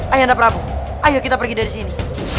ayo anda prabu ayo kita pergi dari sini